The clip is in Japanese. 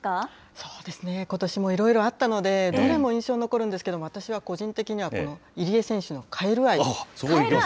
そうですね、ことしもいろいろあったので、どれも印象に残るんですけれども、私は個人的には、この入江選手のカエル愛？